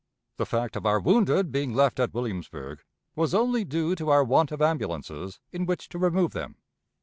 The fact of our wounded being left at Williamsburg was only due to our want of ambulances in which to remove them.